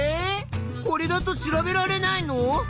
これだと調べられないの？